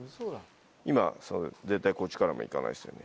今絶対こっちからも行かないですよね。